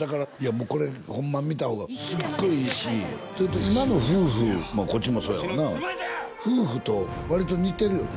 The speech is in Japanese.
もうこれホンマ見た方がすっごいいいし今の夫婦まあこっちもそうやわな夫婦と割と似てるよね